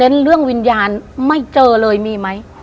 เน้นเรื่องวิญญาณไม่เจอเลยมีไหมอ๋อ